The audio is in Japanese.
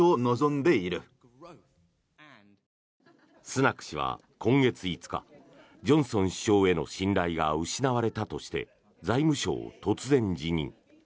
スナク氏は今月５日ジョンソン首相への信頼が失われたとして財務相を突然辞任。